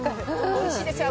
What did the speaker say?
おいしいですよ。